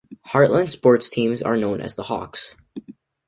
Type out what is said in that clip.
Heartland's sports teams are known as the Hawks.